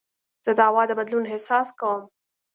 زه د هوا د بدلون احساس کوم.